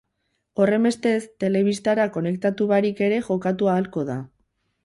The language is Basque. Horrenbestez, telebistara konektatu barik ere jokatu ahalko da.